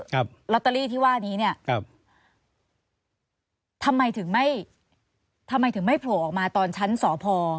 ลอตเตอรี่ที่ว่านี้เนี้ยครับทำไมถึงไม่ทำไมถึงไม่โผล่ออกมาตอนชั้นสพ